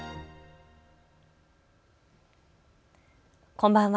こんばんは。